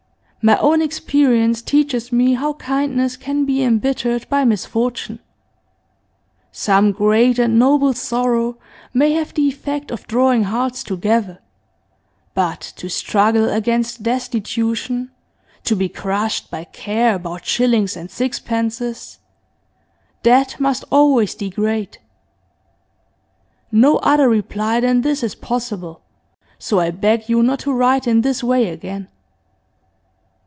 My own experience teaches me how kindness can be embittered by misfortune. Some great and noble sorrow may have the effect of drawing hearts together, but to struggle against destitution, to be crushed by care about shillings and sixpences that must always degrade. 'No other reply than this is possible, so I beg you not to write in this way again.